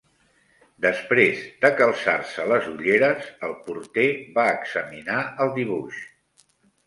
Després de calçar-se les ulleres, el porter va examinar el dibuix